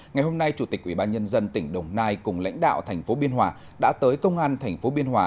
ngày hôm nay chủ tịch ubnd tỉnh đồng nai cùng lãnh đạo thành phố biên hòa đã tới công an tp biên hòa